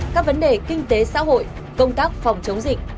các vấn đề kinh tế xã hội công tác phòng chống dịch